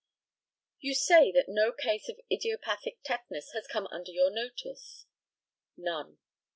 You say that no case of idiopathic tetanus has come under your notice? None.